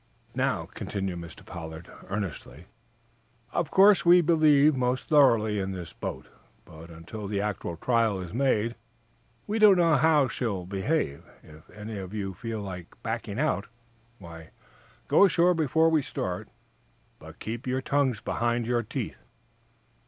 "Now," continued Mr. Pollard, earnestly, "of course we believe most thoroughly in this boat, but, until the actual trial is made, we don't know how she'll behave. If any of you feel like backing out, why, go ashore before we start, but keep your tongues behind your teeth."